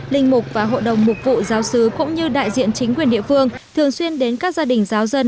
linh mục và hội đồng mục vụ giáo sứ cũng như đại diện chính quyền địa phương thường xuyên đến các gia đình giáo dân